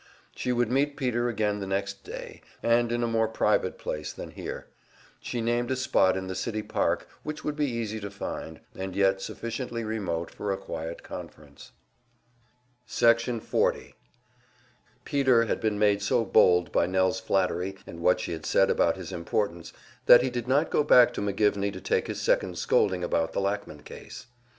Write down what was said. She would meet Peter again the next day, and in a more private place than here. She named a spot in the city park which would be easy to find, and yet sufficiently remote for a quiet conference. Section 40 Peter had been made so bold by Nell's flattery and what she had said about his importance, that he did not go back to McGivney to take his second scolding about the Lackman case.